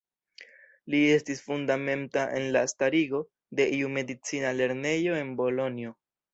Li estis fundamenta en la starigo de iu medicina lernejo en Bolonjo.